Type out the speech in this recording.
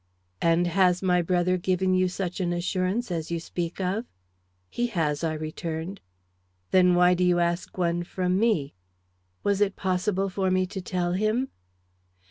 "And has my brother given you such an assurance as you speak of?" "He has," I returned. "Then why do you ask one from me?" Was it possible for me to tell him?